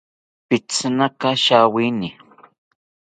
Pitzinaka shawini